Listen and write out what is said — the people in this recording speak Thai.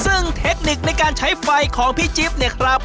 ซึ่งเทคนิคในการใช้ไฟของพี่จิ๊บเนี่ยครับ